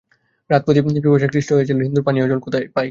রমাপতি পিপাসায় ক্লিষ্ট হইয়া কহিল, হিন্দুর পানীয় জল পাই কোথায়?